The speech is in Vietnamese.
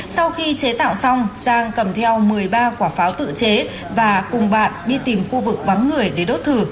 sau khi chế tạo xong giang cầm theo một mươi ba quả pháo tự chế và cùng bạn đi tìm khu vực vắng người để đốt thử